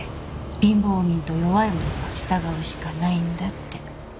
貧乏人と弱い者は従うしかないんだって。